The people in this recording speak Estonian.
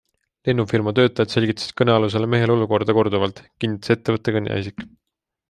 Lennufirma töötajad selgitasid kõnealusele mehele olukorda korduvalt, kinnitas ettevõtte kõneisik.